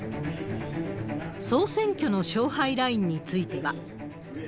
総選挙の勝敗ラインについては。